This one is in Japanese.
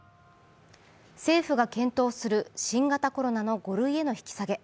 政府が検討する新型コロナの５類への引き下げ